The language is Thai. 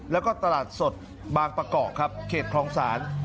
แล้วก็ตลาดสดบางประกอบครับเขตคลองศาล